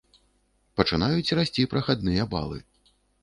Пачынаюць расці прахадныя балы.